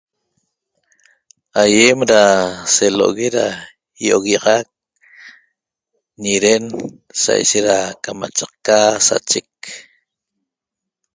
Aýem da selo'ogue da ýi'oguiaxac ñiden saishet da camachaqca sachec